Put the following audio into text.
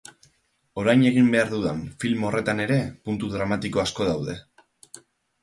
Orain egin behar dudan film horretan ere puntu dramatiko asko daude.